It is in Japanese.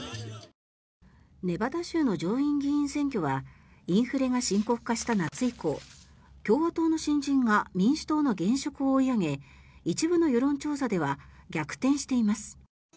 ネバダ州の上院議員選挙はインフレが進行した夏以降共和党の新人が民主党の現職を追い上げ一部の世論調査では逆転しています。